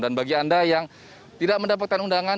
dan bagi anda yang tidak mendapatkan undangan